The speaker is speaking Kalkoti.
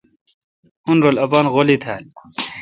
اؙن رل اپان غولی تھال۔